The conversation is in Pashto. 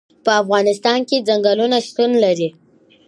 په افغانستان کې چنګلونه شتون لري.